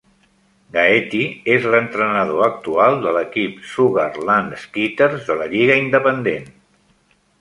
Gaetti és l'entrenador actual de l'equip Sugar Land Skeeters de la lliga independent.